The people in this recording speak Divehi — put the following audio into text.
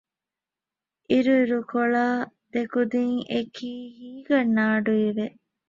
އިރުއިރުކޮޅާ ދެކުދިން އެކީ ހީގަންނަ އަޑުއިވެ